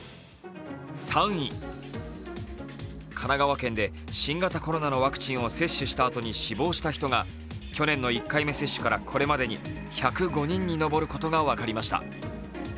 ３位、神奈川県で新型コロナのワクチンを接種したあとに死亡した人が去年の１回目接種からこれまでに１０５人に上ることが分かりました。